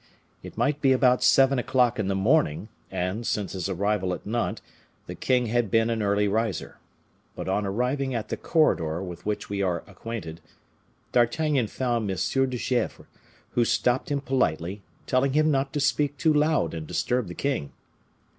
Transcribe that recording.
It might be about seven o'clock in the morning, and, since his arrival at Nantes, the king had been an early riser. But on arriving at the corridor with which we are acquainted, D'Artagnan found M. de Gesvres, who stopped him politely, telling him not to speak too loud and disturb the king.